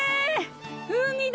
海だ！